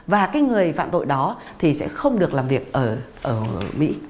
và cái người phạm tội đó thì sẽ không được làm việc ở mỹ